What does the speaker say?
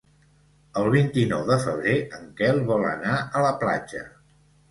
El vint-i-nou de febrer en Quel vol anar a la platja.